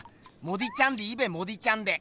モディちゃんでいいべモディちゃんで。